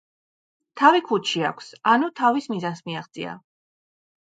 თავი ქუდში აქვს - ანუ თავის მიზანს მიაღწია.